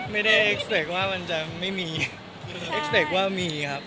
ไม่ได้เอ็กซ์ว่ามันจะไม่มีเอ็กซ์ว่ามีครับ